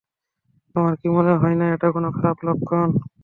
তোমার কি মনে হয়না এটা কোনো খারাপ লক্ষন?